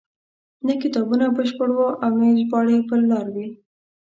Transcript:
نه کتابونه بشپړ وو او نه یې ژباړې پر لار وې.